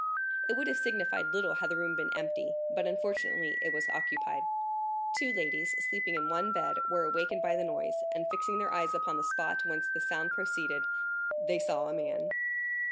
It would have signified little had the room been empty, but unfortunately it was occupied. Two ladies, sleeping in one bed, were awakened by the noise, and fixing their eyes upon the spot whence the sound proceeded, they saw a man.